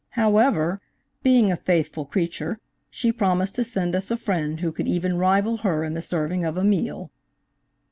However, being a faithful creature she promised to send us a friend who could even rival her in the serving of a meal.